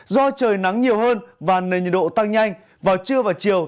do trời nắng nhiều hơn và nền nhiệt độ tăng nhanh vào trưa và chiều